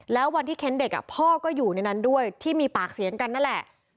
แล้ววันที่เค้นเด็กพ่อก็อยู่ในนั้นด้วยที่มีปากเสียงกันนั่นแหละ